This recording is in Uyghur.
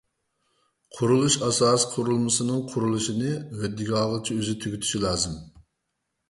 قۇرۇلۇش ئاساسىي قۇرۇلمىسىنىڭ قۇرۇلۇشىنى ھۆددە ئالغۇچى ئۆزى تۈگىتىشى لازىم.